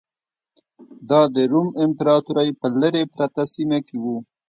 دا د روم امپراتورۍ په لرې پرته سیمه کې و